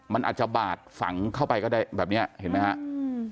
มันอาจจะบาดฝังเข้าไปก็ได้แบบเนี้ยเห็นไหมครับ